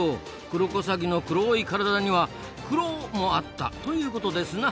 クロコサギの黒い体にはクロもあったということですな。